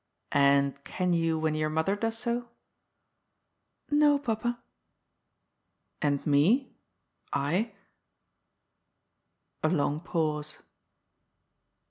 "And can you when your mother does so?" " No, papa." " And me— I ?" A long pause.